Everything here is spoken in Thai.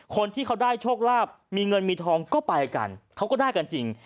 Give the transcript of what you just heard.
คนที่เขาได้โชคลาภมีเงินมีทองก็ไปกันเขาก็ได้กันจริง